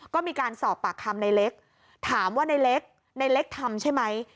ก็มีการสอบปากคำในเล็กถามว่าในเล็กในเล็กทำใช่ไหม